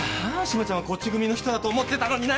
志麻ちゃんはこっち組の人だと思ってたのにな。